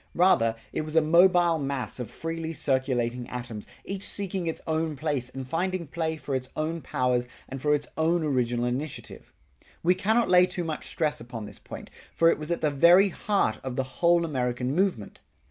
Rather it was a mobile mass of freely circulating atoms, each seeking its own place and finding play for its own powers and for its own original initiative. We cannot lay too much stress upon this point, for it was at the very heart of the whole American movement.